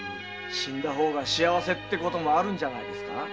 死んだ方が幸せってこともあるんじゃねえんですか？